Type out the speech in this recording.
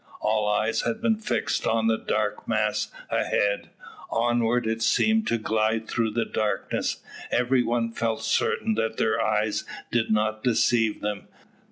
All eyes had been fixed on the dark mass ahead. Onward it seemed to glide through the darkness. Every one felt certain that their eyes did not deceive them.